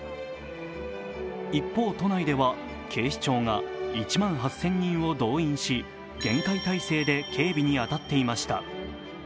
一方、都内では警視庁が１万８０００人を動員し厳戒態勢で警備に当たっていました。